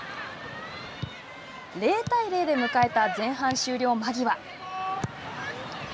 ０対０で迎えた前半終了間際。